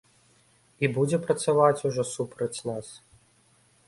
І будзе працаваць ужо супраць нас.